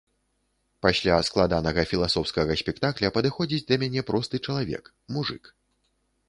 Пасля складанага філасофскага спектакля падыходзіць да мяне просты чалавек, мужык.